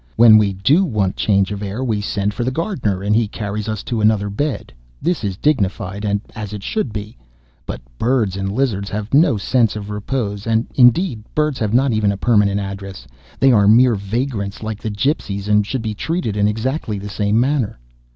When we do want change of air, we send for the gardener, and he carries us to another bed. This is dignified, and as it should be. But birds and lizards have no sense of repose, and indeed birds have not even a permanent address. They are mere vagrants like the gipsies, and should be treated in exactly the same manner.